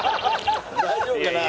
大丈夫かな？